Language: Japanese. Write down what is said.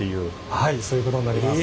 はいそういうことになります。